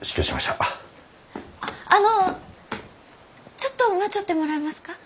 ちょっと待ちよってもらえますか？